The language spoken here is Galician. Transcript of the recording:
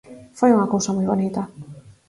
Foi unha cousa moi bonita.